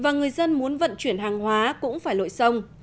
và người dân muốn vận chuyển hàng hóa cũng phải lội sông